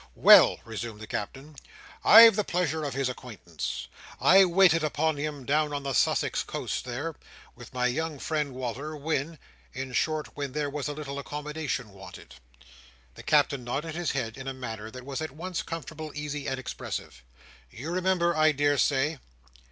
"Well," resumed the Captain, "I've the pleasure of his acquaintance. I waited upon him down on the Sussex coast there, with my young friend Wal"r, when—in short, when there was a little accommodation wanted." The Captain nodded his head in a manner that was at once comfortable, easy, and expressive. "You remember, I daresay?"